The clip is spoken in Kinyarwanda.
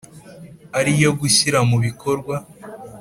ari iyo gushyira mu bikorwa